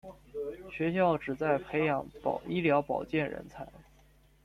学校旨在培养医疗保健人才。